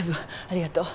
ありがとう。